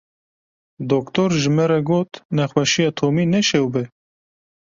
Doktor ji me re got nexweşiya Tomî ne şewb e.